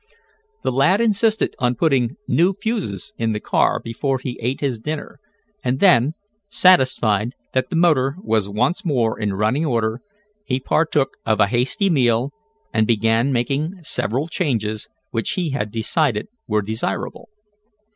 The lad insisted on putting new fuses in the car before he ate his dinner, and then, satisfied that the motor was once more in running order, he partook of a hasty meal, and began making several changes which he had decided were desirable.